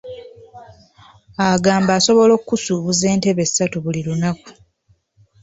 Agamba asobola okusuubuza entebe ssatu buli lunaku.